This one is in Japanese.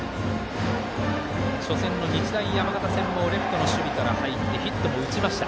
初戦の日大山形戦もレフトの守備から入ってヒットも打ちました。